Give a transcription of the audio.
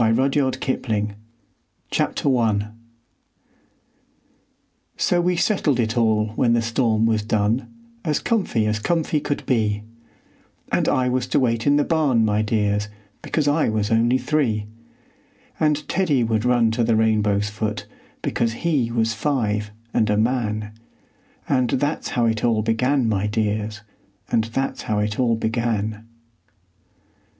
RUDYARD KIPLING CHAPTER I So we settled it all when the storm was done As comf'y as comf'y could be; And I was to wait in the barn, my dears, Because I was only three; And Teddy would run to the rainbow's foot, Because he was five and a man; And that's how it all began, my dears, And that's how it all began.